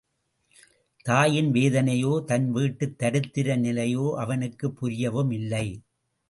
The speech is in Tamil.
தாயின் வேதனையோ, தன் வீட்டுத் தரித்திர நிலையோ அவனுக்குப் புரியவும் இல்லை.